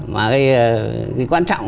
mà cái quan trọng